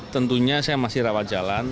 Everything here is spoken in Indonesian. tentunya saya masih rawat jalan